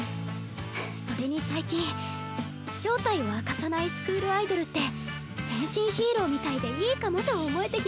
それに最近正体を明かさないスクールアイドルって変身ヒーローみたいでいいかもと思えてきまして。